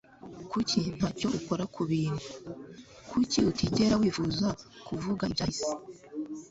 Kuki ntacyo ukora kubintu? Kuki utigera wifuza kuvuga ibyahise?